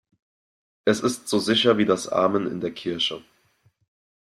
Es ist so sicher wie das Amen in der Kirche.